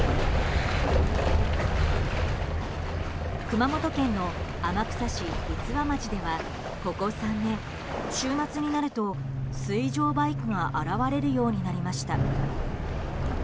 熊本県の天草市五和町ではここ３年、週末になると水上バイクが現れるようになりました。